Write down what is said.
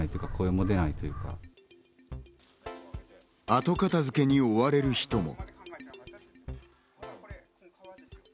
後片付けに追われる人も。